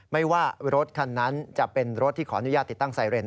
ไม่ว่ารถคันนั้นจะเป็นรถที่ขออนุญาตติดตั้งไซเรน